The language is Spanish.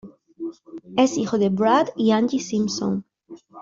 Es hijo de Brad y Angie Simpson.